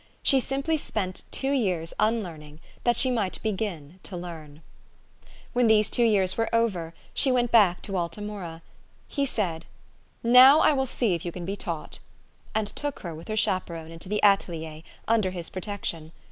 She simply spent two years unlearning, that she might begin to learn. When these two years were over, she went back to Alta Mura. He said, " Now I will see if you can be taught," and took her, with her chaperone, into the atelier, under his protection.